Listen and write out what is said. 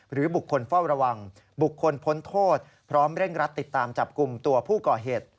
หรือบุคคลเฝ้าระวังบุคคลพ้นโทษพร้อมเร่งรัดติดตามจับกลุ่มตัวผู้ก่อเหตุ